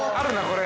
これ。